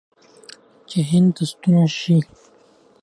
چې هند ته ستون شي.